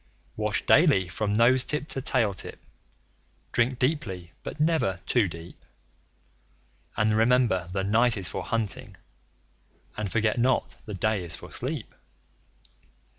Wash daily from nose tip to tail tip; drink deeply, but never too deep; And remember the night is for hunting, and forget not the day is for sleep.